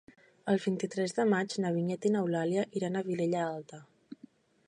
El vint-i-tres de maig na Vinyet i n'Eulàlia iran a la Vilella Alta.